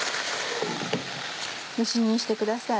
蒸し煮にしてください。